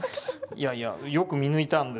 いやいやよく見抜いたんですね。